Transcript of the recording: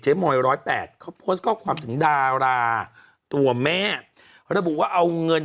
มอย๑๐๘เขาโพสต์ข้อความถึงดาราตัวแม่ระบุว่าเอาเงิน